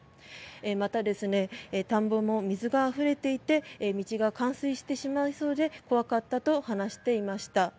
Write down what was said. また田んぼも水があふれていて道が冠水してしまいそうで怖かったと話していました。